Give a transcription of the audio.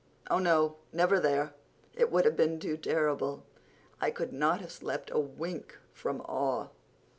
Oh, no, never there! It would have been too terrible—I couldn't have slept a wink from awe.